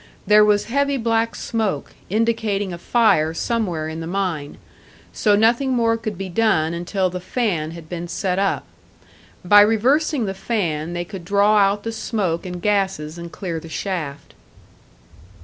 There was heavy black smoke, indicating a fire somewhere in the mine; so nothing more could be done until the fan had been set up. By reversing the fan, they could draw out the smoke and gases and clear the shaft.